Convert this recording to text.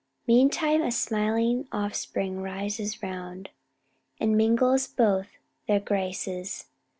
"Meantime a smiling offspring rises round, And mingles both their graces.